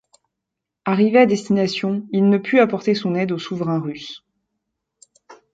Arrivé à destination, il ne put apporter son aide au souverain russe.